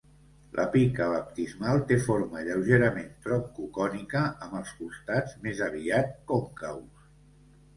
La pica baptismal té forma lleugerament troncocònica amb els costats més aviat còncaus.